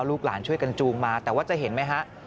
ลูกหลานช่วยกันจูงมาแต่ว่าจะเห็นไหมฮะ